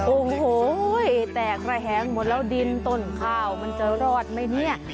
โอ้โหแตกระแหงหมดแล้วดินต้นข้าวมันจะรอดไหมเนี่ย